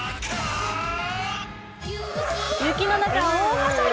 雪の中を大はしゃぎ。